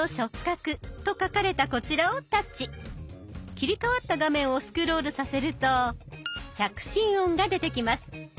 切り替わった画面をスクロールさせると「着信音」が出てきます。